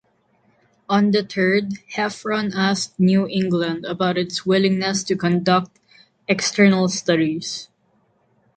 Undeterred, Heffron asked New England about its willingness to conduct external studies.